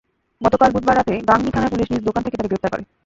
গতকাল বুধবার রাতে গাংনী থানার পুলিশ নিজ দোকান থেকে তাঁকে গ্রেপ্তার করে।